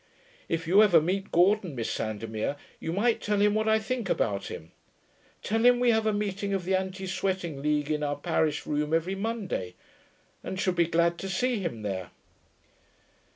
If you ever meet Gordon, Miss Sandomir, you might tell him what I think about him. Tell him we have a meeting of the Anti Sweating League in our parish room every Monday, and should be glad to see him there.'